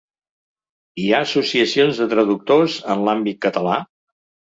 Hi ha associacions de traductors en l’àmbit català?